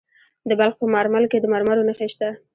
د بلخ په مارمل کې د مرمرو نښې شته.